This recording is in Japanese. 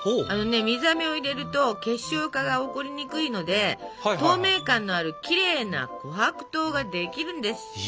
あのね水あめを入れると結晶化が起こりにくいので透明感のあるキレイな琥珀糖ができるんです！